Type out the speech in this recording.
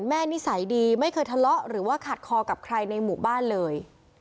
นิสัยดีไม่เคยทะเลาะหรือว่าขาดคอกับใครในหมู่บ้านเลย